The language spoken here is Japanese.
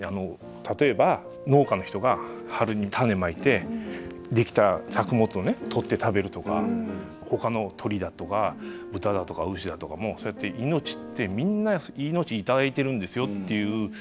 例えば農家の人が春に種まいてできた作物をね取って食べるとかほかの鳥だとか豚だとか牛だとかもそうやって命ってみんな命頂いてるんですよ」っていう。